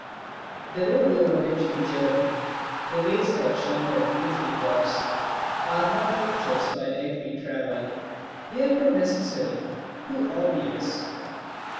The road over which we journey, the wayside shelter in which we pause, are not pictures while yet we travel they are too necessary, too obvious.